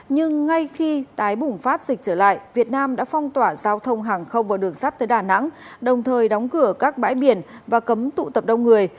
nhưng ngay khi tái bùng phát dịch trở lại việt nam đã phong tỏa giao thông hàng không vào đường sắt tới đà nẵng đồng thời đóng cửa các bãi biển và cấm tụ tập đông người